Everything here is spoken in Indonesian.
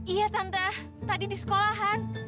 iya tante tadi di sekolahan